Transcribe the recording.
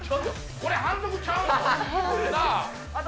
これ反則ちゃうの？